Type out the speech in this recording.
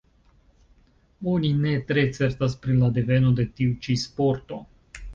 Oni ne tre certas pri la deveno de tiu ĉi sporto.